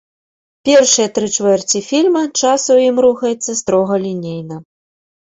Першыя тры чвэрці фільма час у ім рухаецца строга лінейна.